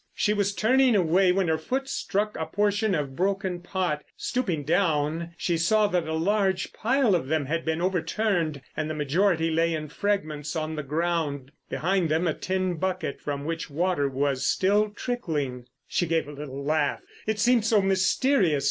She was turning away when her foot struck a portion of broken pot. Stooping down she saw that a large pile of them had been overturned, and the majority lay in fragments on the ground, behind them a tin bucket from which water was still trickling. She gave a little laugh—it seemed so mysterious.